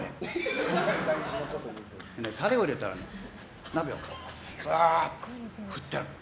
タレを入れたら鍋をザーッと振ってやるの。